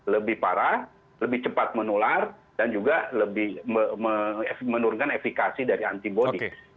lebih parah lebih cepat menular dan juga lebih menurunkan efikasi dari antibody